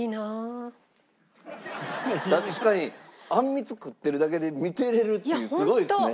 確かにあんみつ食ってるだけで見てられるってすごいですね。